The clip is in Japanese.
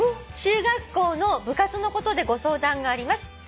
「中学校の部活のことでご相談があります」